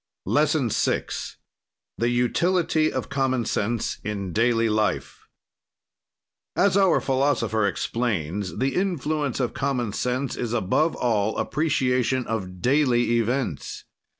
LESSON VI THE UTILITY OF COMMON SENSE IN DAILY LIFE As our philosopher explains, the influence of common sense is above all appreciation of daily events.